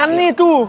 pegang nih tuh